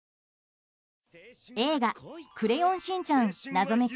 「映画クレヨンしんちゃん謎メキ！